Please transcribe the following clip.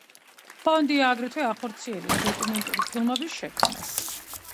ფონდი აგრეთვე ახორციელებს დოკუმენტური ფილმების შექმნას.